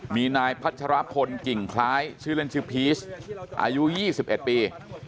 มีนายพัชรพลกิ่งคล้ายชื่อเล่นชื่อพีชอายุ๒๑ปี